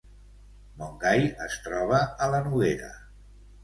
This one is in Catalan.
Montgai es troba a la Noguera